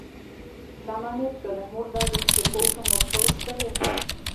Чаманет гын, мурда гычше колжым от шолышт ыле.